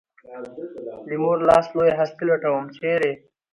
د مور لاس لویه هستي لټوم ، چېرې؟